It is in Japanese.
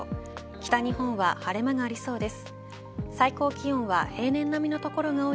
北日本は晴れ間がありそうです。